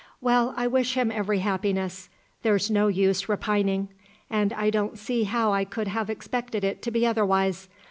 Well, I wish him every happiness. There's no use repining; and I don't see how I could have expected it to be otherwise.